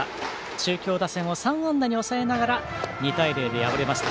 中京打線を３安打に抑えながら２対０で敗れました。